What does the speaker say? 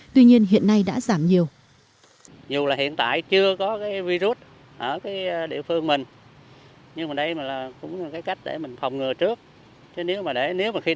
tuy nhiên hiện nay đã giảm nhiều